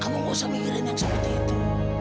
kamu gak usah mikirin yang seperti itu